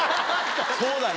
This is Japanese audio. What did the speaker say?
そうだな。